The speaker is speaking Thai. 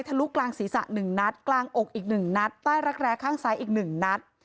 ทะลุกลางศรีษะหนึ่งนัดกลางอกอีกหนึ่งนัดใต้รักแร้ข้างซ้ายอีกหนึ่งนัด